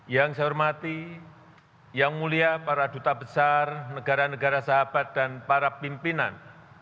yang saya hormati yang mulia para duta besar negara negara sahabat dan para pimpinan